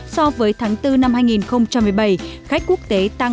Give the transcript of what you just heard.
so với tháng bốn năm hai nghìn một mươi bảy khách quốc tế tăng hai mươi năm hai